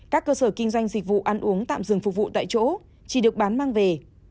các cơ sở kinh doanh dịch vụ ăn uống tạm dừng phục vụ tại chỗ chỉ được bán mang về